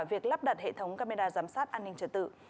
việc lắp đặt hệ thống camera giám sát an ninh trật tự